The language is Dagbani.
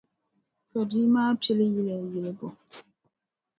Ka bia maa pili yila yilibu.